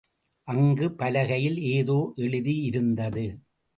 அங்கு பலகையில் ஏதோ எழுதியிருந்தது.